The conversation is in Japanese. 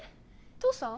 父さん？